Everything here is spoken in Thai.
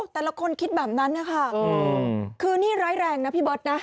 แต่ละคนคิดแบบนั้นนะคะคือนี่ร้ายแรงนะพี่เบิร์ตนะ